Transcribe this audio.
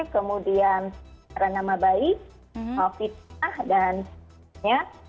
kemudian renama baik mafisah dan sebagainya